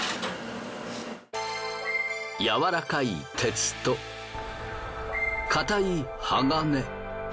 軟らかい鉄と硬い鋼。